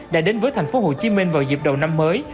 đã đến với thành phố hồ chí minh vào dịp đầu năm mới